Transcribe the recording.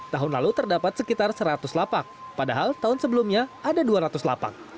tahun lalu terdapat sekitar seratus lapak padahal tahun sebelumnya ada dua ratus lapak